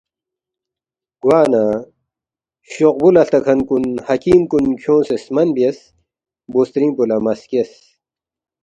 گوانہ شوقبُو لہ ہلتاکھن کُن حکیم کُن کھیونگسے سمن بیاس، بُوسترِنگ پو لہ مہ سکیس